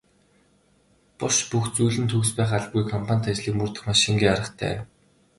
Буш бүх зүйл нь төгс байх албагүй компанит ажлыг мөрдөх маш энгийн аргатай.